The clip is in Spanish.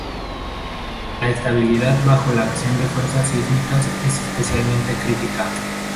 La estabilidad bajo la acción de fuerzas sísmicas es especialmente crítica.